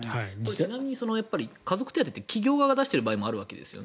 ちなみに家族手当って企業側が出している場合もあるわけですよね。